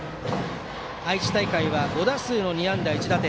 愛知大会は５打数の２安打１打点。